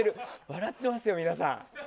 笑ってますよ、皆さん。